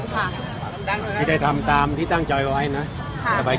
เขาจะไปดังต่อนะพี่แก้วฮะเขาไปโรงพยาบาลเออไปกับใหม่โรงพยาบาล